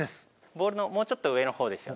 ボールのもうちょっと上のほうですよね。